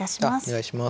お願いします。